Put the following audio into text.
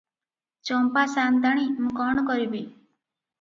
ଚମ୍ପା ସାଆନ୍ତାଣୀ, ମୁଁ କଣ କରିବି ।